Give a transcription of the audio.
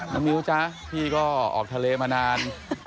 มิ้วจ๊ะพี่ก็ออกทะเลมานาน